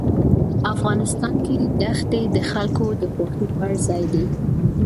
افغانستان کې دښتې د خلکو د خوښې وړ ځای دی.